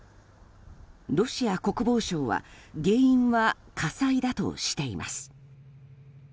ロシア国防省は原因は火災だとしています。